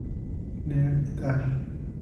Little "et al.